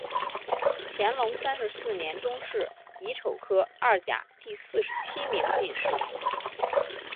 乾隆三十四年中式己丑科二甲第四十七名进士。